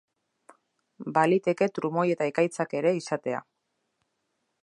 Baliteke trumoi eta ekaitzak ere izatea.